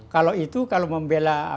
kalau itu kalau membela